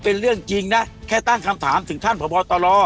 เป็นเรื่องจริงนะแค่ตั้งคำถามถึงท่านพบตร